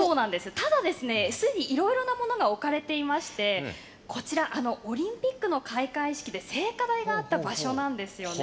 ただ、すでにいろいろなものが置かれていましてこちら、オリンピックの開会式で聖火台があった場所なんですよね。